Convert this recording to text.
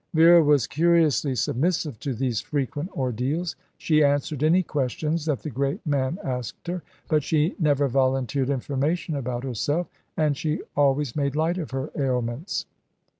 Vera was curiously submissive to these frequent ordeals. She answered any questions that the great man asked her; but she never volunteered information about herself, and she always made light of her ailments.